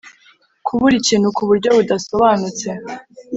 kubura ikintu ku buryo budasobanutse